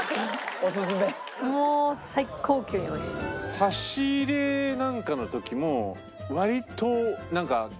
差し入れなんかの時も割と。